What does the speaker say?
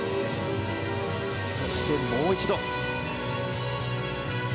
そして、もう一度。